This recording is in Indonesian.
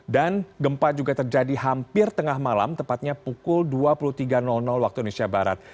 dan gempa juga terjadi hampir tengah malam tepatnya pukul dua puluh tiga waktu indonesia barat